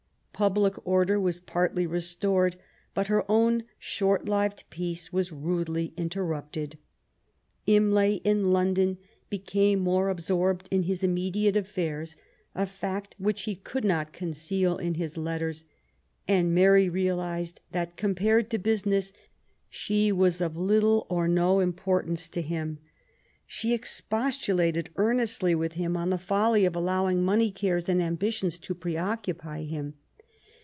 Public order was partly restored, but her own short lived peace was ^ rudely interrupted. Imlay in London became more absorbed in his immediate affairs, a fact which he could not conceal in his letters ; and Mary realised that, compared to business, she was of little or no importance 138 MABY WOLLSTONECBAFT GODWIN. to him. She expostulated earnestly with him on the folly of allowing money cares and ambitions to pre occupy him.